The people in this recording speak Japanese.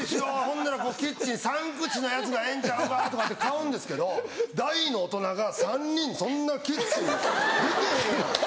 ほんだらキッチン３口のやつがええんちゃうかとかって買うんですけど大の大人が３人そんなキッチン行けへんやん。